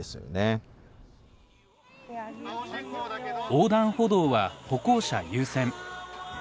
横断歩道は歩行者優先。